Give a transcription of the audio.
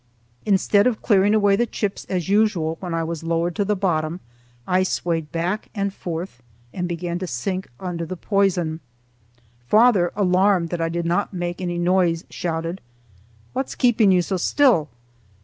Instead of clearing away the chips as usual when I was lowered to the bottom, I swayed back and forth and began to sink under the poison. Father, alarmed that I did not make any noise, shouted, "What's keeping you so still?"